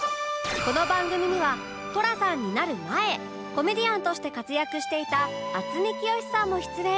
この番組には寅さんになる前コメディアンとして活躍していた渥美清さんも出演